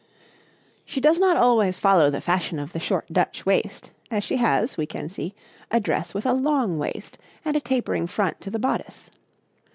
She does not always follow the fashion of the short Dutch waist as she has, we can see, a dress with a long waist and a tapering front to the bodice.